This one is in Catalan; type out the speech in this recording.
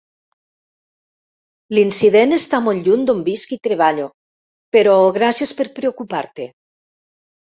L'incident està molt lluny d'on visc i treballo, però gràcies per preocupar-te.